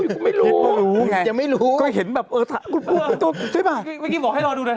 ยังไม่รู้ยังไม่รู้ก็เห็นแบบเออใช่ป่ะเมื่อกี้บอกให้รอดูนะ